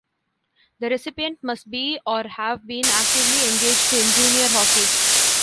The recipient must be or have been actively engaged in junior hockey.